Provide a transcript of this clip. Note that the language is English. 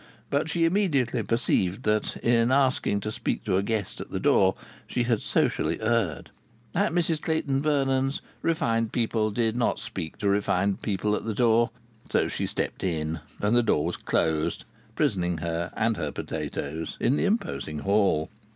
But she immediately perceived that in asking to speak to a guest at the door she had socially erred. At Mrs Clayton Vernon's refined people did not speak to refined people at the door. So she stepped in, and the door was closed, prisoning her and her potatoes in the imposing hall.